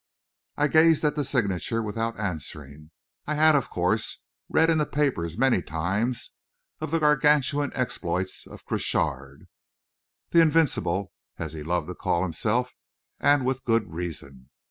I gazed at the signature without answering. I had, of course, read in the papers many times of the Gargantuan exploits of Crochard "The Invincible," as he loved to call himself, and with good reason.